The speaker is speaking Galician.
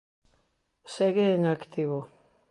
Segue en activo.